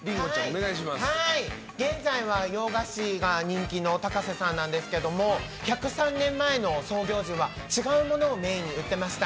現在は洋菓子が人気のタカセさんなんですが１０３年前の創業時は違うものをメインに売ってました。